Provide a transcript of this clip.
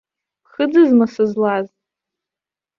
Ԥхыӡызма сызлаз?